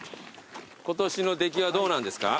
今年の出来はどうなんですか？